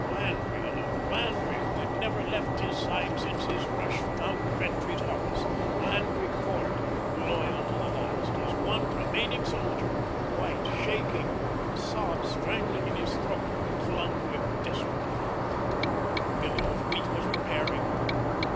Landry alone, Landry who had never left his side since his rush from out Gretry's office, Landry Court, loyal to the last, his one remaining soldier, white, shaking, the sobs strangling in his throat, clung to him desperately. Another billow of wheat was preparing.